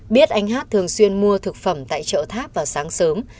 biết anh hát thường xuyên mua thực phẩm tại chợ tháp vào sáng sớm